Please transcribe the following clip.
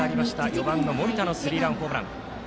４番、森田のスリーランホームラン。